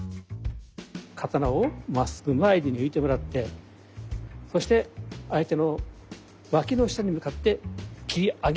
刀をまっすぐ前に抜いてもらってそして相手の脇の下に向かって斬り上げる。